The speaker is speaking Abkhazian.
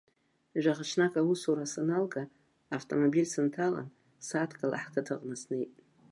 Жәаха ҽнак аусура саналга автомобиль сынҭалан, сааҭкала ҳқыҭаҟны снеит.